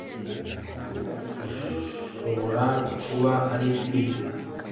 gishobora kuba ari Ijwi